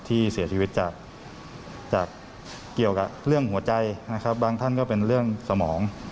ที่เสียชีวิตจากเกี่ยวกับเรื่องหัวใจนะครับบางท่านก็เป็นเรื่องสมอง